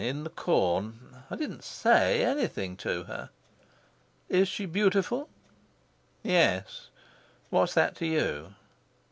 In the Corn. I didn't SAY anything to her." "Is she beautiful?" "Yes. What's that to you?"